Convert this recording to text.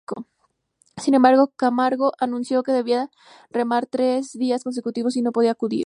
Sin embargo, Camargo anunció que debía remar tres días consecutivos y no podía acudir.